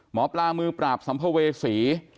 หมอปลามือปราบสัมภเวษี